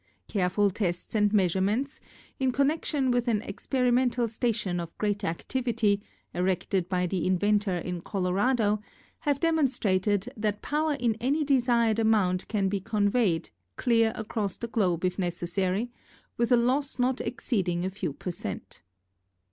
Care ful tests and measurements in connection with an experimental station of great activity, erected by the inventor in Colorado, have demonstrated that power in any desired amount can be conveyed, clear across the Globe if necessary, with a loss not exceeding a few per cent.